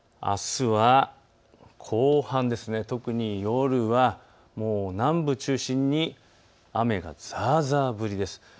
あすは後半、特に夜は南部を中心に雨がざーざー降りです。